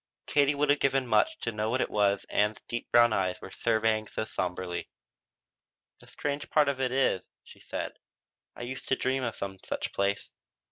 Katie would have given much to know what it was Ann's deep brown eyes were surveying so somberly. "The strange part of it is," she said, "I used to dream of some such place."